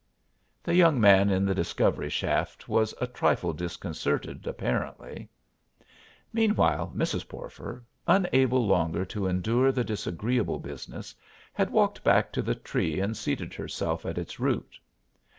The young man in the discovery shaft was a trifle disconcerted, apparently. Meanwhile, Mrs. Porfer, unable longer to endure the disagreeable business, had walked back to the tree and seated herself at its root.